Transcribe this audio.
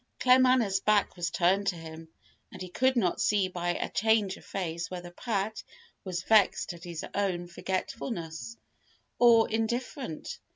Claremanagh's back was turned to him, and he could not see by a change of face whether Pat was vexed at his own forgetfulness, or indifferent.